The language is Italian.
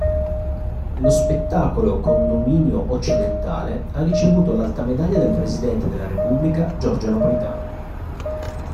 Lo spettacolo Condominio Occidentale ha ricevuto l'Alta Medaglia dal Presidente della Repubblica Giorgio Napolitano.